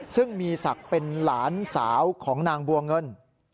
ซึ่งมีศักดิ์เป็นหลานสาวของนางบัวเงิน